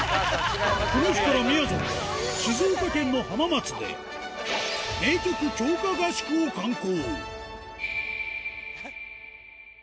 この日からみやぞん、静岡県の浜松で、名曲強化合宿を敢行。